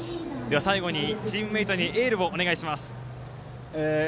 最後にチームメートにエールをお願いします。